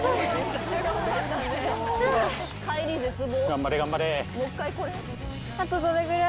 頑張れ頑張れ。